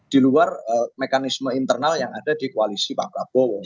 di luar mekanisme internal yang ada di koalisi pak prabowo